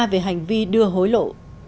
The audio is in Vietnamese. về hành vi đưa hối lộ